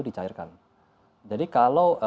dicairkan jadi kalau